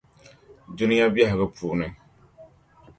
Dunia bεhigu puuni.